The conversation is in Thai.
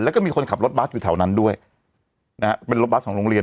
แล้วก็มีคนขับรถบัสอยู่แถวนั้นด้วยนะฮะเป็นรถบัสของโรงเรียน